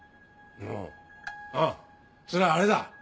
あぁあぁ！それはあれだ。